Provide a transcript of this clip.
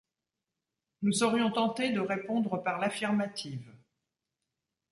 Nous serions tentés de répondre par l'affirmative.